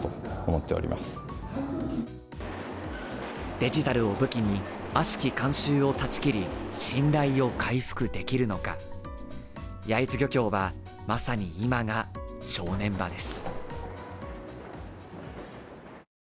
デジタルを武器に悪しき慣習を断ち切り信頼を回復できるのか焼津漁協はまさに今が正念場です